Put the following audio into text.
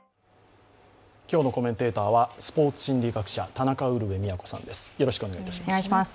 今日のコメンテーターはスポーツ心理学者、田中ウルヴェ京さんです。